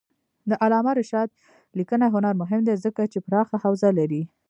د علامه رشاد لیکنی هنر مهم دی ځکه چې پراخه حوزه لري.